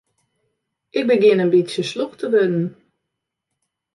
Ik begjin in bytsje slûch te wurden.